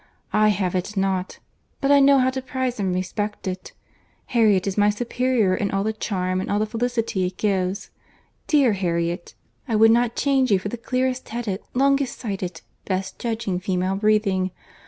—I have it not—but I know how to prize and respect it.—Harriet is my superior in all the charm and all the felicity it gives. Dear Harriet!—I would not change you for the clearest headed, longest sighted, best judging female breathing.